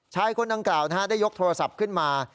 คนดังกล่าวได้ยกโทรศัพท์ขึ้นมา